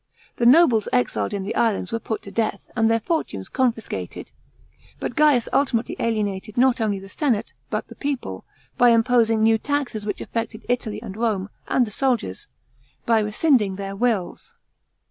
The noble exiles in the islands were put to death, and their fortunes confiscated. But Ga'us ultimately alienated not only the senate, but the people, by imposing new taxes which affected Italy and Rome, and the soldiers, by rescind ing tl>eir wills.